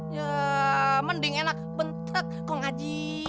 ya mending enak bentet kau ngaji